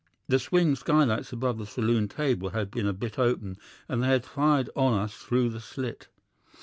The swing skylights above the saloon table had been a bit open, and they had fired on us through the slit.